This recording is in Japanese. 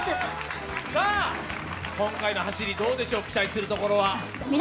今回の走り、どうでしょう期待するところは。